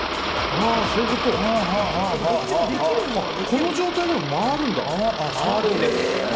この状態でも回るんだ。